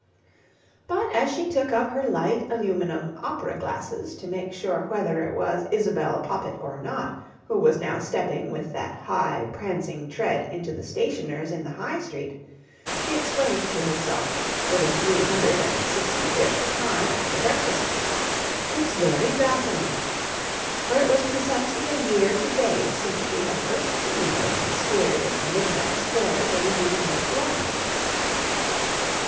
But as she took up her light aluminium opera glasses to make sure whether it was Isabel Poppit or not who was now stepping with that high, prancing tread into the stationer's in the High Street, she exclaimed to herself, for the three hundred and sixty fifth time after breakfast; "It's very baffling"; for it was precisely a year to day since she had first seen those mysterious midnight squares of illuminated blind.